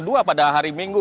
dua pada hari minggu